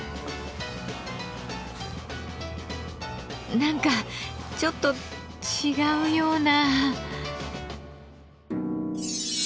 何かちょっと違うような。